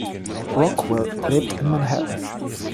Rockwell lebt in Manhattan.